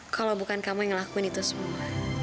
kalau bukan kamu yang ngelakuin itu semua